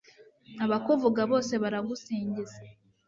abakuvuga bose baragusingiza